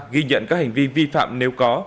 ghi nhận các hành vi vi phạm nếu có